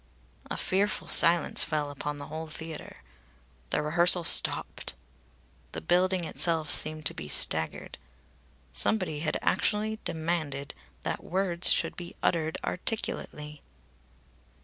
A fearful silence fell upon the whole theatre. The rehearsal stopped. The building itself seemed to be staggered. Somebody had actually demanded that words should be uttered articulately!